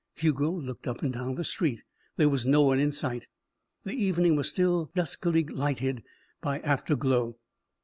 Hugo looked up and down the street. There was no one in sight. The evening was still duskily lighted by afterglow.